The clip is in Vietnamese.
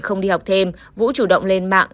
không đi học thêm vũ chủ động lên mạng